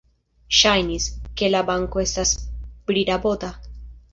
Ŝajnis, ke la banko estas prirabota.